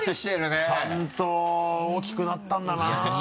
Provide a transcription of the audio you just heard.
ちゃんと大きくなったんだな。